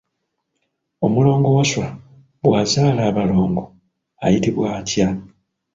Omulongo Wasswa bw'azaala abalongo ayitibwa atya?